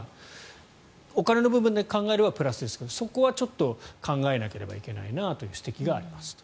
お金の部分だけ考えればプラスですがそこはちょっと考えなければいけないなという指摘がありますと。